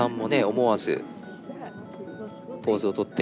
思わずポーズをとって。